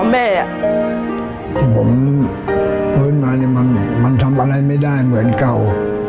แม่ที่ผมฟื้นมาเนี่ยมันทำอะไรไม่ได้เหมือนเก่า